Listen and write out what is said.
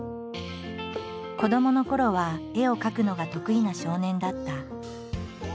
子どものころは絵を描くのが得意な少年だった。